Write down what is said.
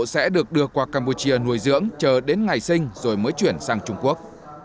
sẽ được đưa qua campuchia nuôi dưỡng chờ đến ngày sinh rồi mới chuyển sang trung quốc